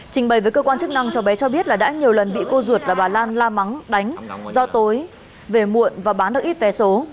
trình bày với cơ quan chức năng cháu bé cho biết là đã nhiều lần bị cô ruột và bà lan la mắng đánh do tối về muộn và bán được ít vé số